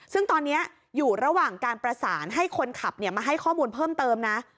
ซึ่งตอนนี้อยู่ระหว่างการประสานให้คนขับมาให้ข้อมูลเพิ่มเติมนะ